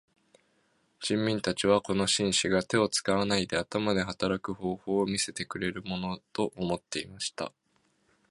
人民たちはこの紳士が手を使わないで頭で働く方法を見せてくれるものと思っていました。